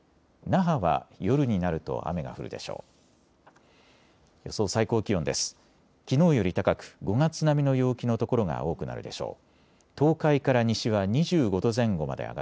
那覇は夜になると雨が降るでしょう。